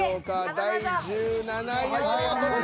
第１７位はこちら。